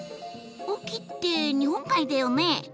隠岐って日本海だよね。